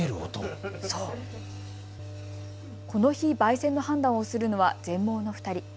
この日、ばい煎の判断をするのは全盲の２人。